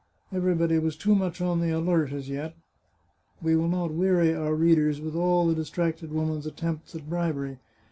Everybody was too much on the alert as yet. We will not weary our readers with all the distracted woman's attempts at bribery.